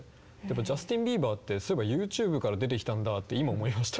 ジャスティン・ビーバーってそういえばＹｏｕＴｕｂｅから出てきたんだって今思いました。